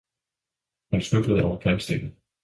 Han snublede over kantstenen.